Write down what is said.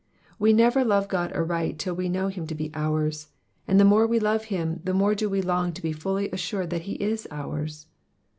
We never love God aright till we know him to be ours, and the more we love him the more do we long to be fully assured that he is ours.